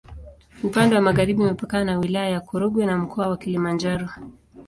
Upande wa magharibi imepakana na Wilaya ya Korogwe na Mkoa wa Kilimanjaro.